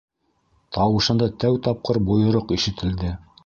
- Тауышында тәү тапҡыр бойороҡ ишетелде.